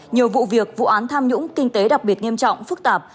nhiều vụ việc vụ án tham nhũng kinh tế đặc biệt nghiêm trọng phức tạp